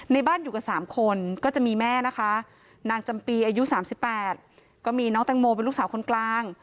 บ้านอยู่กัน๓คนก็จะมีแม่นะคะนางจำปีอายุ๓๘ก็มีน้องแตงโมเป็นลูกสาวคนกลาง